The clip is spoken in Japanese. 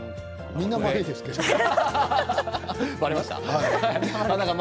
みんな丸いですけど。